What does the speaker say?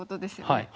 はい。